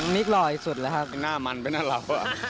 มิกรอดสุดเหรอครับหน้ามันเป็นหน้าเราอ่ะ